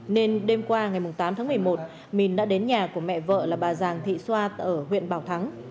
nên đêm qua ngày tám tháng một mươi một minh đã đến nhà của mẹ vợ là bà giàng thị xoa ở huyện bảo thắng